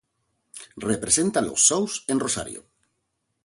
Representa los shows en Rosario